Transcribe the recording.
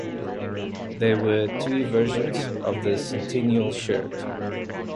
There were two versions of the Centennial shirt.